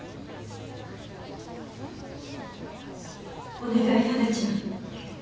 お願いはなちゃん。